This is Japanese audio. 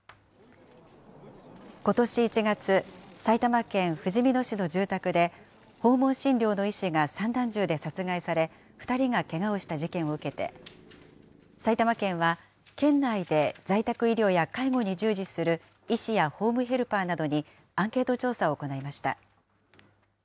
ことし１月、埼玉県ふじみ野市の住宅で、訪問診療の医師が散弾銃で殺害され、２人がけがをした事件を受けて、埼玉県は、県内で在宅医療や介護に従事する医師やホームヘルパーなどにアンケート調査を行いました。